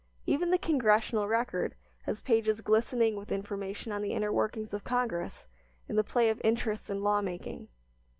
Even the "Congressional Record" has pages glistening with information on the inner workings of Congress and the play of interests in lawmaking.